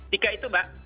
tiga itu mbak